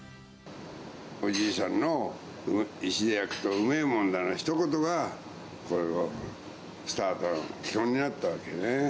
おじいさんの、石で焼くとうめえもんだのひと言が、これのスタート、基本になったわけね。